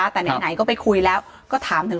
แต่ไหนก็ไปคุยแล้วก็ถามถึง